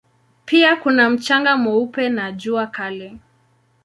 Pia kuna mchanga mweupe na jua kali.